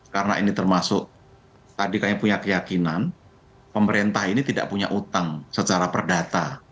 karena ini termasuk tadi kami punya keyakinan pemerintah ini tidak punya hutang secara perdata